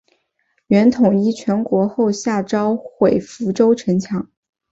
元统一全国后下诏毁福州城墙。